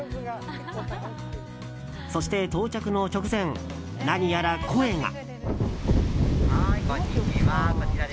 そして、到着の直前何やら声が。